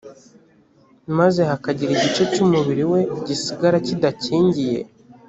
maze hakagira igice cy umubiri we gisigara kidakingiye